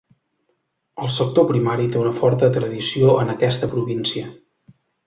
El sector primari té una forta tradició en aquesta província.